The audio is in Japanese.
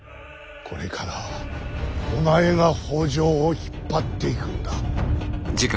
これからはお前が北条を引っ張っていくんだ。